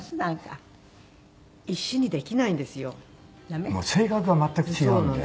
もう性格が全く違うんで。